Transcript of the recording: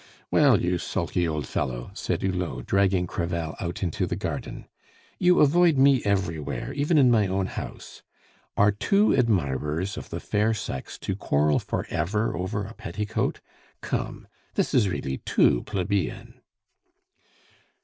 "Well, you sulky old fellow," said Hulot, dragging Crevel out into the garden, "you avoid me everywhere, even in my own house. Are two admirers of the fair sex to quarrel for ever over a petticoat? Come; this is really too plebeian!"